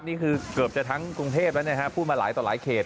นี่คือเกือบจะทั้งกรุงเทพแล้วนะฮะพูดมาหลายต่อหลายเขต